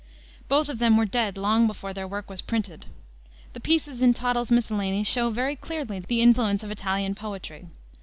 Both of them were dead long before their work was printed. The pieces in Tottel's Miscellany show very clearly the influence of Italian poetry.